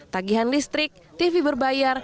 tagihan listrik tv berbayar